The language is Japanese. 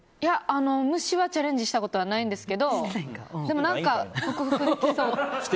虫はチャレンジしたことないんですけどでも何か克服できそう。